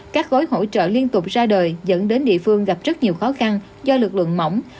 các gói hỗ trợ liên tục ra đời dẫn đến địa phương gặp rất nhiều khó khăn do lực lượng mỏng